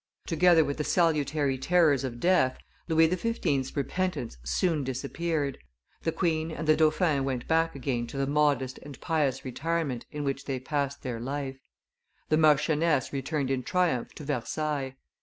Together with the salutary terrors of death, Louis XV.'s repentance soon disappeared; the queen and the dauphin went back again to the modest and pious retirement in which they passed their life; the marchioness returned in triumph to Versailles.